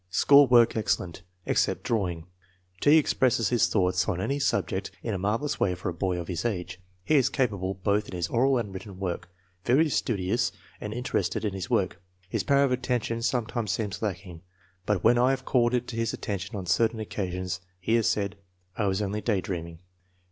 School work excellent, except drawing. " T. expresses his thoughts on any subject in a marvelous way for a boy of his age. He is capable both in his oral and written work. Very studious and interested in his work. His power of attention some times seems lacking, but when I have called it to his attention on certain occasions he has said, ' I was only day dreaming.'